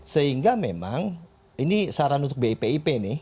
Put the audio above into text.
sehingga memang ini saran untuk bipip nih